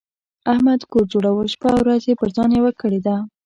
احمد کور جوړوي؛ شپه او ورځ يې پر ځان یوه کړې ده.